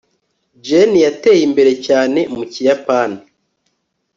Jane yateye imbere cyane mu Kiyapani